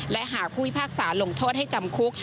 และหากผู้พิพากษาลงโทษให้จำคุก